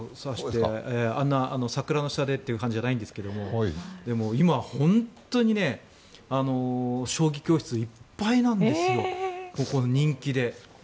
あんな桜の下でという感じじゃないんですけど今、本当に将棋教室いっぱいなんですよ、人気で。